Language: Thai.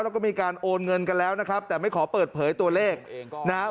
แล้วก็มีการโอนเงินกันแล้วนะครับแต่ไม่ขอเปิดเผยตัวเลขนะครับ